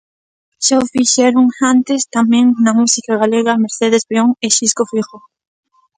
Xa o fixeron antes tamén na música galega Mercedes Peón e Xisco Feijóo.